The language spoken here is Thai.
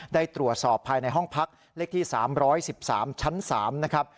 ได้ตรวจสอบภายในห้องพักเลขที่๓๑๓ชั้น๓นะครับ